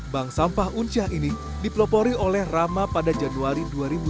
bank sampah uncah ini diplopori oleh rama pada januari dua ribu sembilan belas